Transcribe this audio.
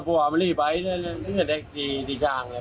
พวกเขาไปเรียนไปติฉ่างก่อนอื่น